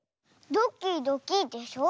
ドキドキでしょ。